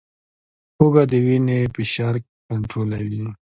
هوږه د وینې فشار کنټرولوي